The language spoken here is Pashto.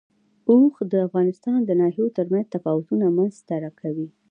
اوښ د افغانستان د ناحیو ترمنځ تفاوتونه رامنځ ته کوي.